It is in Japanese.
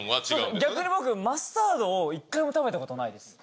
逆に僕、マスタードを１回も食べたことないです。